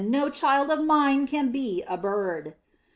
no child of mine can be a bird!''